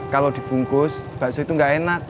kalau dibungkus bakso itu nggak enak